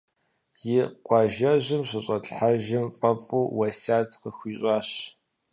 И къуажэжьым щыщӏэтлъхьэжым фӏэфӏу уэсят къысхуищӏащ.